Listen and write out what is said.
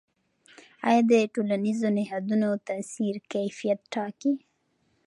آیا د ټولنیزو نهادونو تاثیر کیفیت ټاکي؟